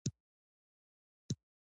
بدخشان د کومې تیږې لپاره مشهور دی؟